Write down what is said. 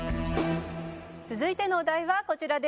続いてのお題はこちらです。